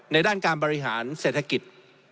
ด้านการบริหารเศรษฐกิจ